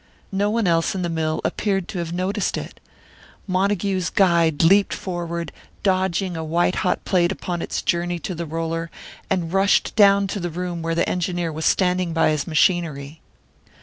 No one else in the mill appeared to have noticed it. Montague's guide leaped forward, dodging a white hot plate upon its journey to the roller, and rushed down the room to where the engineer was standing by his machinery.